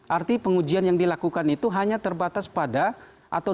arti pengujian yang dilakukan itu hanya terbatas pada atau dampak dari putusan itu